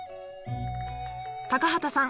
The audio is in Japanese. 高畑さん